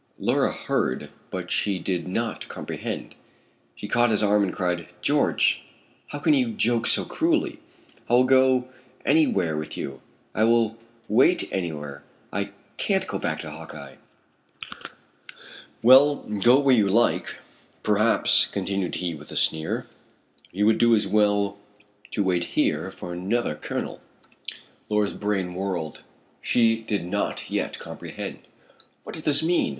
Laura heard, but she did not comprehend. She caught his arm and cried, "George, how can you joke so cruelly? I will go any where with you. I will wait any where. I can't go back to Hawkeye." "Well, go where you like. Perhaps," continued he with a sneer, "you would do as well to wait here, for another colonel." Laura's brain whirled. She did not yet comprehend. "What does this mean?